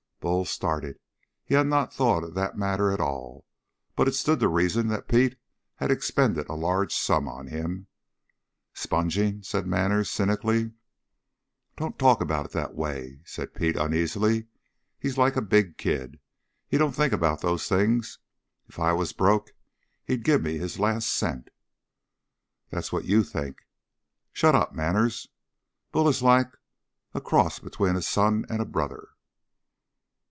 Bull started. He had not thought of that matter at all, but it stood to reason that Pete had expended a large sum on him. "Sponging?" said Manners cynically. "Don't talk about it that way," said Pete uneasily. "He's like a big kid. He don't think about those things. If I was broke, he'd give me his last cent." "That's what you think." "Shut up, Manners. Bull is like a cross between a son and a brother."